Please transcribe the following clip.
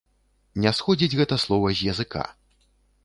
Не сходзіць гэта слова з языка.